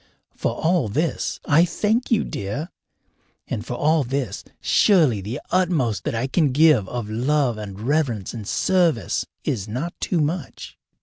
For all this I thank you, dear, and for all this surely the utmost that I can give of love and reverence and service is not too much.